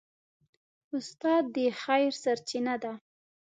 استاد د خیر سرچینه ده.